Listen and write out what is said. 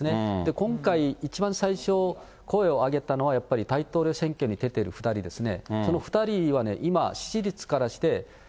今回、一番最初、声を上げたのはやっぱり大統領選挙に出てる２人ですね。